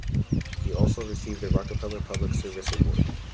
He also received the Rockefeller Public Service Award.